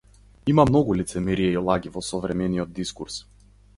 Има многу лицемерие и лаги во современиот дискурс.